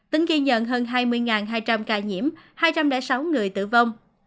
tính ghi nhận hơn hai mươi hai trăm linh ca nhiễm hai trăm linh sáu người tử vong